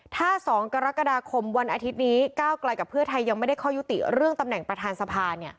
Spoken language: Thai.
ถ้า๒กรกฎาคมวันอาทิตย์นี้ก้าวไกลกับเพื่อไทยยังไม่ได้ข้อยุติเรื่องตำแหน่งประธานสภา